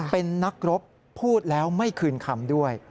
เป็นนักรบพูดแล้วไม่คืนคำด้วย